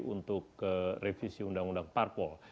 untuk revisi undang undang parpol